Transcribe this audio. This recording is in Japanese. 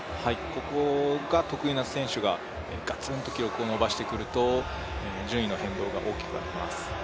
ここが得意な選手がガツンと記録を伸ばしてくると、順位の変動が大きくなります。